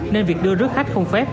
nên việc đưa rước khách không phép